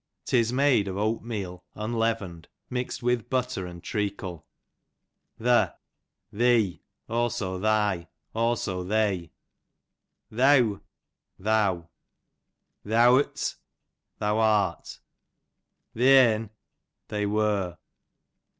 'Tis made of oatmeal unleavened, mixed with butter and treacle. The, thse ; aho thy ; aho they. Tlieaw, tlwu. Theawr't, thou art. Thear'n, they were.